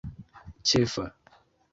ĉefa